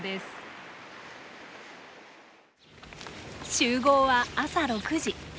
集合は朝６時。